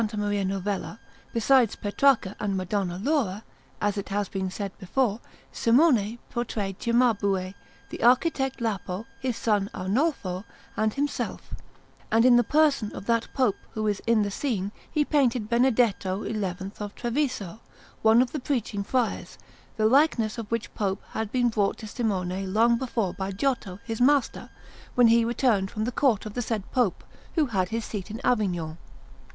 Maria Novella besides Petrarca and Madonna Laura, as it has been said above Simone portrayed Cimabue, the architect Lapo, his son Arnolfo, and himself, and in the person of that Pope who is in the scene he painted Benedetto XI of Treviso, one of the Preaching Friars, the likeness of which Pope had been brought to Simone long before by Giotto, his master, when he returned from the Court of the said Pope, who had his seat in Avignon.